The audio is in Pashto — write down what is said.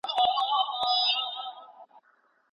آدم ع ته ټول معلومات ورکړل سول.